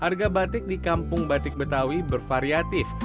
harga batik di kampung batik betawi bervariatif